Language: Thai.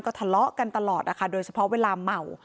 ทะเลาะกันตลอดนะคะโดยเฉพาะเวลาเมา